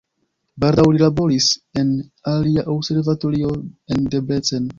Baldaŭ li laboris en alia observatorio en Debrecen.